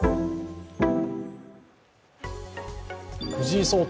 藤井聡太